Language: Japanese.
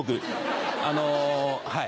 あのはい。